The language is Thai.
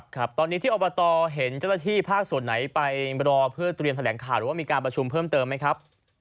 ครับตอนนี้ที่อบตเห็นเจ้าหน้าที่ภาคส่วนไหนไปรอเพื่อเตรียมแถลงข่าวหรือว่ามีการประชุมเพิ่มเติมไหมครับ